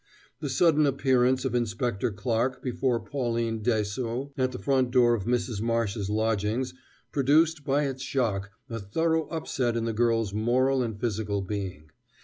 The sudden appearance of Inspector Clarke before Pauline Dessaulx at the front door of Mrs. Marsh's lodgings produced by its shock a thorough upset in the girl's moral and physical being.